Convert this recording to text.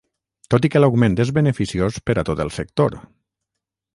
Tot i que l'augment és beneficiós per a tot el sector.